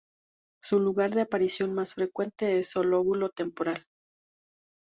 Su lugar de aparición más frecuente es el lóbulo temporal.